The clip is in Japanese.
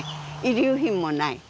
遺留品もない。